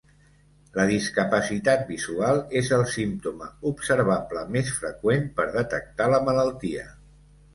La discapacitat visual és el símptoma observable més freqüent per detectar la malaltia.